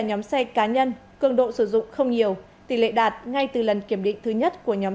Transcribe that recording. nhóm xe cá nhân cường độ sử dụng không nhiều tỷ lệ đạt ngay từ lần kiểm định thứ nhất của nhóm